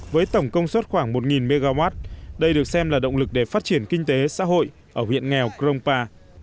với tổng công suất khoảng một mw đây được xem là động lực để phát triển kinh tế xã hội ở huyện nghèo crongpa